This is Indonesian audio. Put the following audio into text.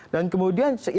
dan kemudian yang lain